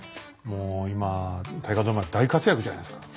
もう今大河ドラマで大活躍じゃないですか。